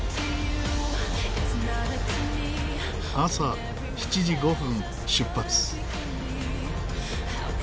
朝７時５分出発。